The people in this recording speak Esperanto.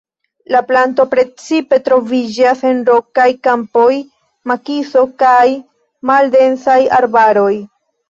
La planto precipe troviĝas en rokaj kampoj, makiso kaj maldensaj arbaroj.